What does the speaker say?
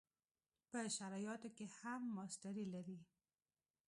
په شرعیاتو کې هم ماسټري لري.